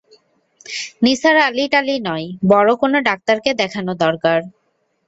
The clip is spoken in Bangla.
নিসার আলি-টালি নয়, বড় কোনো ডাক্তারকে দেখানো দরকার।